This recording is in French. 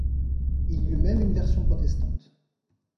Il y eut même une version protestante.